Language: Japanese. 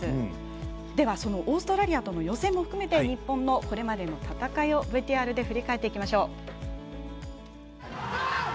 そのオーストラリアとの予選も含めて日本のこれまでの戦いをＶＴＲで振り返りましょう。